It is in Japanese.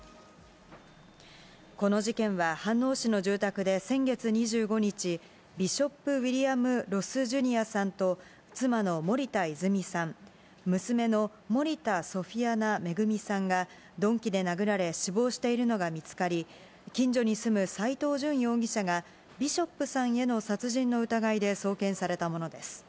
この事件は、飯能市の住宅で先月２５日、ビショップ・ウィリアム・ロス・ジュニアさんと、妻の森田泉さん、娘の森田ソフィアナ恵さんが鈍器で殴られ死亡しているのが見つかり、近所に住む斎藤淳容疑者が、ビショップさんへの殺人の疑いで送検されたものです。